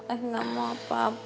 eh gak mau apa apa